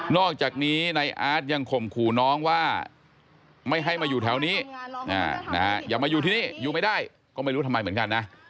อกจากนี้ในอาร์ตยังข่มขู่น้องว่าไม่ให้มาอยู่แถวนี้อย่ามาอยู่ที่นี่อยู่ไม่ได้ก็ไม่รู้ทำไมเหมือนกันนะ